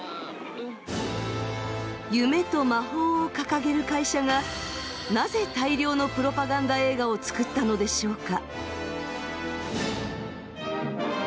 夢と魔法を掲げる会社がなぜ大量のプロパガンダ映画を作ったのでしょうか？